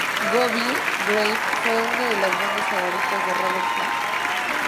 Moby Grape fue una de las bandas favoritas de Robert Plant.